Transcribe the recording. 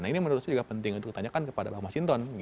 nah ini menurut saya juga penting untuk ditanyakan kepada pak mas hinton